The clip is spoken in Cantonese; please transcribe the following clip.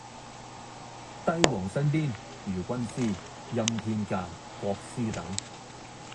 帝王身邊如軍師、欽天監、國師等